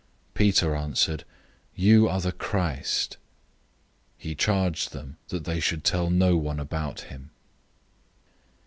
Peter answered, "You are the Christ." 008:030 He charged them that they should tell no one about him.